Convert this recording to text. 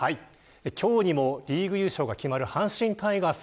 今日にもリーグ優勝が決まる阪神タイガース。